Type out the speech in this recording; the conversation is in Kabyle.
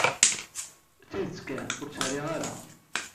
Tidet kan, ur t-riɣ ara.